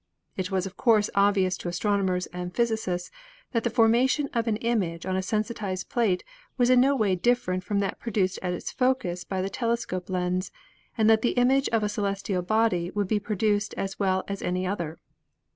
It was of course obvious to as tronomers and physicists that the formation of an image on a sensitized plate was in no way different from that produced at its focus by the telescope lens and that the image of a celestial body could be produced as well as any other.